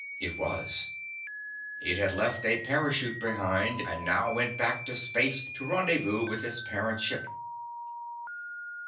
It was. It had left a parachute behind, and now went back to space to rendezvous with its parent ship.